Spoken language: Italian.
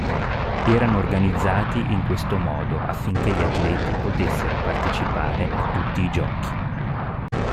Erano organizzati in questo modo affinché gli atleti potessero partecipare a tutti i giochi.